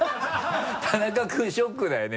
田中君ショックだよね？